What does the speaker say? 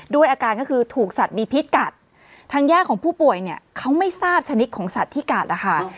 ด้วยอาการก็คือถูกสัตว์มีพิษกัดทางญาติของผู้ป่วยเนี่ยเขาไม่ทราบชนิดของสัตว์ที่กัดนะคะ